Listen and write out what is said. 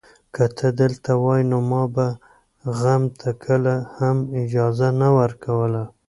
که ته دلته وای، ما به غم ته کله هم اجازه نه ورکوله.